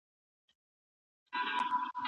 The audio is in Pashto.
باید د فساد مخنیوی وسي.